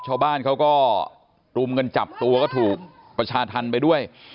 ชาวบ้านเขาก็รุมกันจับตัวก็ถูกประชาธรรมไปด้วย